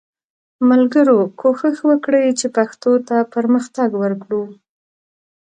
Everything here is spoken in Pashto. ملګرو کوښښ وکړئ چې پښتو ته پرمختګ ورکړو